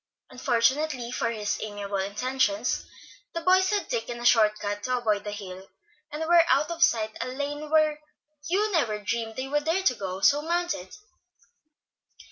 Unfortunately for his amiable intentions, the boys had taken a short cut to avoid the hill, and were out of sight down a lane where Hugh never dreamed they would dare to go, so mounted.